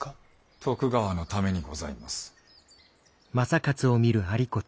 徳川のためにございます。